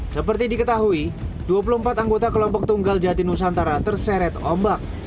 seperti diketahui dua puluh empat anggota kelompok tunggal jati nusantara terseret ombak